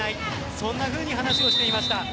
そんなふうに話をしていました。